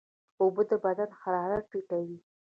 اوبه د بدن حرارت ټیټوي.